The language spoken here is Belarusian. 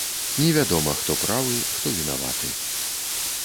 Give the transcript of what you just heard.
Невядома, хто правы, хто вінаваты.